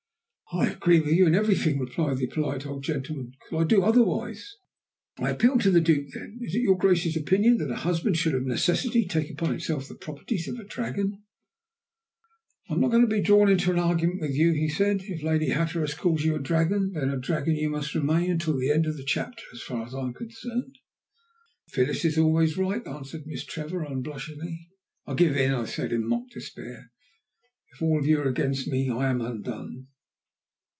"I agree with you in everything," replied the polite old gentleman. "Could I do otherwise?" "I appeal to the Duke, then. Is it your Grace's opinion that a husband should of necessity take upon himself the properties of a dragon?" Even that wretched young man would not stand by an old friend. "I am not going to be drawn into an argument with you," he said. "If Lady Hatteras calls you a dragon, then a dragon you must remain until the end of the chapter, so far as I am concerned." "Phyllis is always right," answered Miss Trevor unblushingly. "I give in," I said in mock despair. "If you are all against me, I am undone."